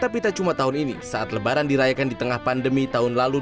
tapi tak cuma tahun ini saat lebaran dirayakan di tengah pandemi tahun lalu